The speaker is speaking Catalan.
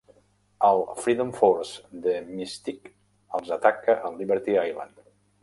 El Freedom Force de Mystique els ataca a Liberty Island.